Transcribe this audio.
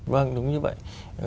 vâng đúng như vậy